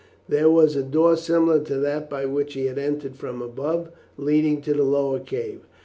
There was a door similar to that by which he had entered from above leading to the lower cave.